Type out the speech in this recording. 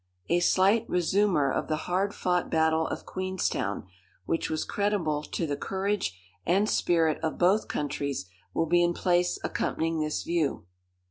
A slight resumer of the hard fought battle of Queenstown, which was creditable to the courage and spirit of both countries, will be in place accompanying this view.